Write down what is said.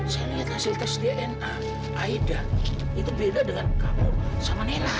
saya naik hasil tes dna aida itu beda dengan kamu sama nila